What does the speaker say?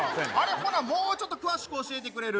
ほんなら、もうちょっと詳しく教えてくれる？